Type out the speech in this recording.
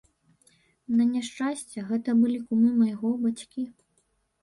На няшчасце, гэта былі кумы майго бацькі.